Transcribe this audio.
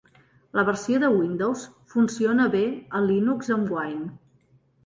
La versió de Windows funciona bé a Linux amb Wine.